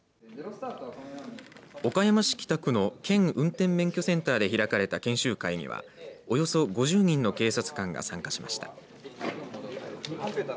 岡山市北区の県運転免許センターで開かれた研修会にはおよそ５０人の警察官が参加しました。